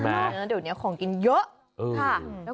เดี๋ยวเนี่ยของกินเยอะ